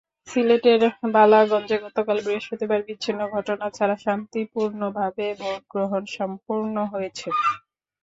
সিলেটের বালাগঞ্জে গতকাল বৃহস্পতিবার বিচ্ছিন্ন ঘটনা ছাড়া শান্তিপূর্ণভাবে ভোট গ্রহণ সম্পন্ন হয়েছে।